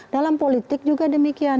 dalam politik juga demikian